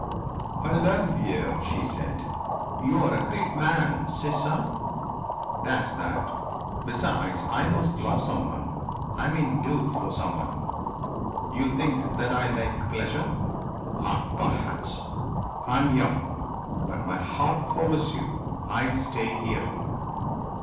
"I love you," she said. "You are a great man. C'est ça. That is that! Besides, I must love someone I mean, do for someone. You think that I like pleasure. Ah! Perhaps. I am young. But my heart follows you. I stay here."